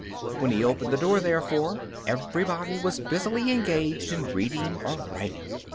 When he opened the door, therefore, everybody was busily engaged in reading or writing.